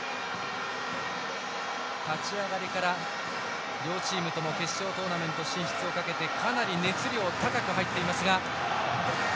立ち上がりから両チームとも決勝トーナメント進出をかけてかなり熱量高く入っていますが。